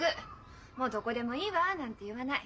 もうどこでもいいわなんて言わない。